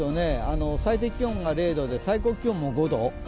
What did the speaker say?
最低気温が０度で最高気温も５度。